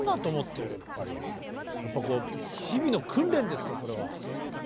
やっぱこう日々の訓練ですかそれは。